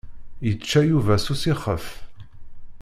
Yečča Yuba s usixef.